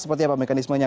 seperti apa mekanismenya